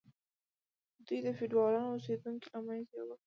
دوی د فیوډالانو اوسیدونکي له منځه یوړل.